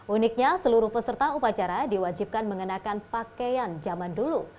uniknya seluruh peserta upacara diwajibkan mengenakan pakaian zaman dulu